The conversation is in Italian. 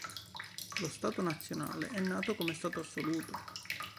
Lo Stato nazionale è nato come Stato assoluto.